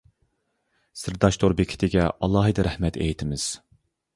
سىرداش تور بېكىتىگە ئالاھىدە رەھمەت ئېيتىمىز!